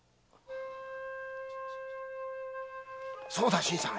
そうだ新さん。